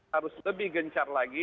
harus lebih gencar lagi